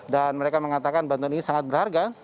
dan mereka mengatakan bantuan ini sangat berharga